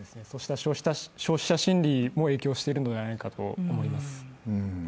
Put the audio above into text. そうした消費者心理も影響しているのでないかと思います。